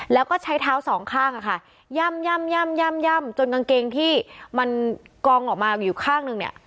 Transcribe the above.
แล้วก็ใช้เท้าสองข้างอะค่ะย่ำย่ำจนกางเกงที่มันกองออกมาอยู่ข้างนึงเนี่ย